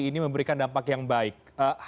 ini memberikan dampak yang baik